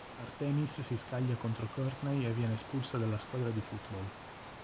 Artemis si scaglia contro Courtney e viene espulsa dalla squadra di football.